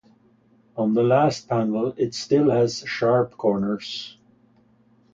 On the last panel it still has sharp corners.